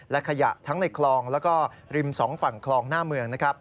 และขยะทั้งในคลองแล้วก็ริมสองฝั่งคลองหน้าเมืองนะครับ